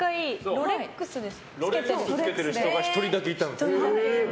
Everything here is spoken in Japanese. ロレックス着けてる人が１人だけいたんです。